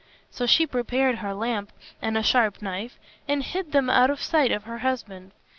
So she prepared her lamp and a sharp knife, and hid them out of sight of her husband.